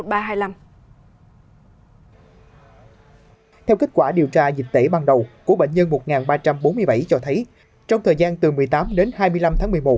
theo kết quả điều tra dịch tễ ban đầu của bệnh nhân một ba trăm bốn mươi bảy cho thấy trong thời gian từ một mươi tám đến hai mươi năm tháng một mươi một